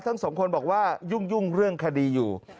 ทั้งสองคนบอกว่ายุ่งเรื่องคดีอยู่